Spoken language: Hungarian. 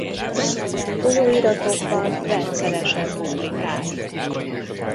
Folyóiratokban rendszeresen publikál.